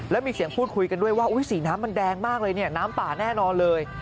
แล้วมีเสียงพูดคุยกันด้วยว่าสีน้ำมันแดงมากเลยเนี่ยน้ำป่าแน่นอนเลย